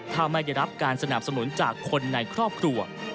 ถ้าไม่ได้รับการสนับสนุนจากคนในครอบครัว